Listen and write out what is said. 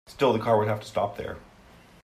Still the car would have to stop there.